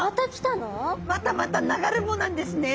またまた流れ藻なんですね。